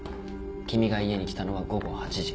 君が家に来たのは午後８時。